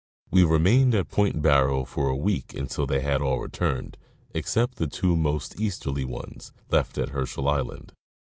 We remained at Point Barrow for a week until they had all returned, except the two most easterly ones, left at Herschel island.